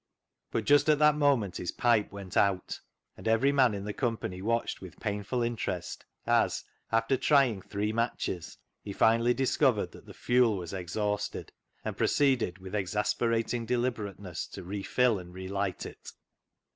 But just at that moment his pipe went out, and every man in the company watched with painful interest as, after trying three matches, he finally discovered that the fuel was ex hausted, and proceeded with exasperating de liberateness to refill and relight it.